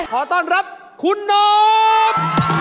ขอต้อนรับคุณนบ